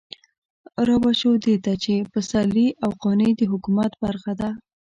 رابه شو دې ته چې پسرلي او قانع د حکومت برخه ده.